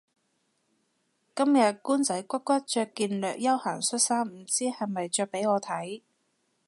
今日官仔骨骨着件略休閒恤衫唔知係咪着畀我睇